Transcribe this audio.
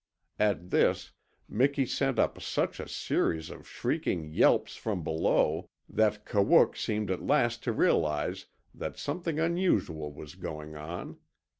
At this Miki sent up such a series of shrieking yelps from below that Kawook seemed at last to realize that something unusual was going on.